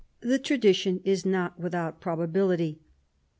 The tradition is not without probability.